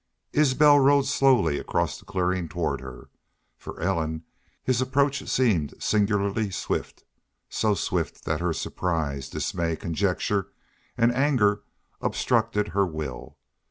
Isbel rode slowly across the clearing toward her. For Ellen his approach seemed singularly swift so swift that her surprise, dismay, conjecture, and anger obstructed her will.